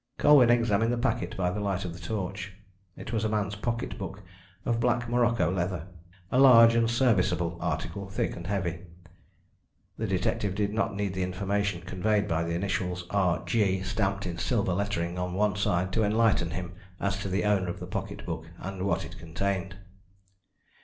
Colwyn examined the packet by the light of the torch. It was a man's pocket book of black morocco leather, a large and serviceable article, thick and heavy. The detective did not need the information conveyed by the initials "R. G." stamped in silver lettering on one side, to enlighten him as to the owner of the pocket book and what it contained.